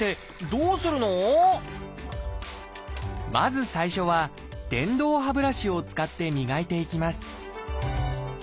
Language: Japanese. まず最初は電動歯ブラシを使って磨いていきます